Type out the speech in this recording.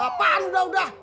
apaan udah udah